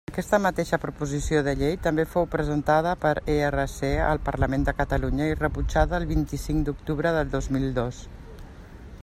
Aquesta mateixa proposició de llei també fou presentada per ERC al Parlament de Catalunya i rebutjada el vint-i-cinc d'octubre del dos mil dos.